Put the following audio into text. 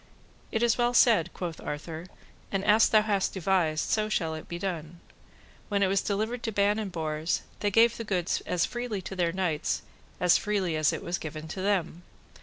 It is well said, quoth Arthur, and as thou hast devised, so shall it be done. When it was delivered to Ban and Bors, they gave the goods as freely to their knights as freely as it was given to them.